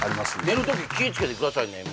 寝るとき気つけてくださいね